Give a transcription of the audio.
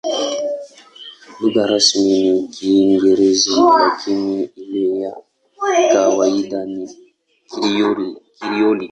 Lugha rasmi ni Kiingereza, lakini ile ya kawaida ni Krioli.